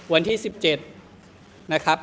วันที่๑๗นะครับ